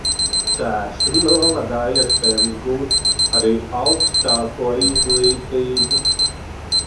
Cēsu novadā iespējams gūt arī augstāko izglītību.